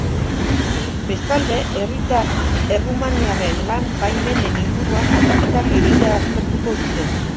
Bestalde, herritar errumaniarren lan-baimenen inguruan aldaketak egitea aztertuko dute.